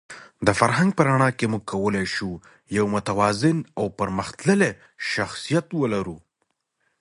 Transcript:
د فرهنګ په رڼا کې موږ کولای شو یو متوازن او پرمختللی شخصیت ولرو.